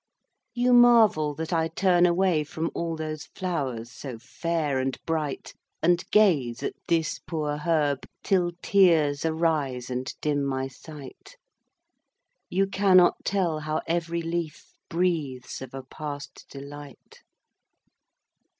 You marvel that I turn away From all those flowers so fair and bright, And gaze at this poor herb, till tears Arise and dim my sight You cannot tell how every leaf Breathes of a past delight.